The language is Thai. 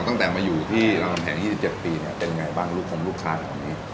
ตั้งแต่มาอยู่ที่เราแผ่ง๒๗ปีเนี่ยเป็นไงบ้างลูกค้นลูกค้าแบบนี้